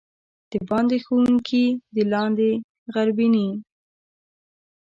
دباندي ښويکى، د لاندي غربينى.